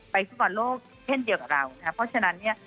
ฟุตบอลโลกเช่นเดียวกับเรานะครับเพราะฉะนั้นเนี่ย